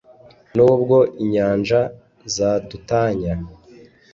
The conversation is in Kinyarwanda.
Nubwo inyanja zadutanya,